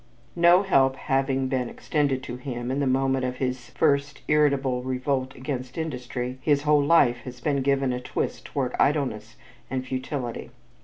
No help having been extended to him in the moment of his first irritable revolt against industry, his whole life has been given a twist toward idleness and futility.